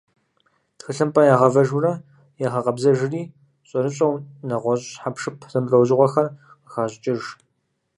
Тхылъымпӏэр ягъэвэжурэ ягъэкъэбзэжри, щӏэрыщӏэу нэгъуэщӏ хьэпшып зэмылӏэужьыгъуэхэр къыхащӏыкӏыж.